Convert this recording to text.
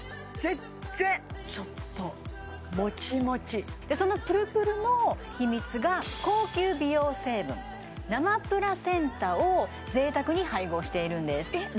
全然ちょっともちもちでそのぷるぷるの秘密が高級美容成分生プラセンタを贅沢に配合しているんですえっ